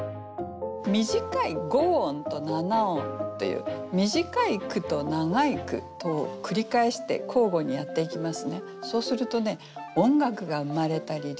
短い五音と七音という短い句と長い句とを繰り返して交互にやっていきますね。